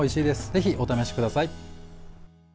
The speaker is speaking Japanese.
ぜひ、お試しください。